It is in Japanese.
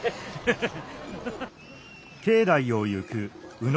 ハハハハ。